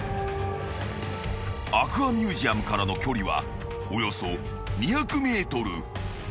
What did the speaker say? ［アクアミュージアムからの距離はおよそ２００ｍ］